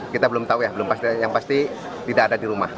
kita belum tahu ya yang pasti tidak ada di rumah